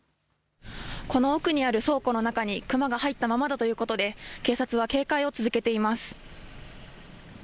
この奥にある倉庫の中にクマが入ったままだということで警察は警戒を続けています。